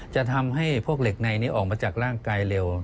จะทำให้พวกเหล็กในนี้ออกมาจากร่างกายเร็ว